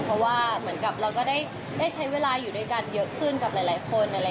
เพราะว่าเหมือนกับเราก็ได้ใช้เวลาอยู่ด้วยกันเยอะขึ้นกับหลายคน